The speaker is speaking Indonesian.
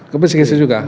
ke psikisnya juga